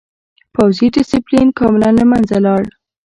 پوځي ډسپلین کاملاً له منځه لاړ.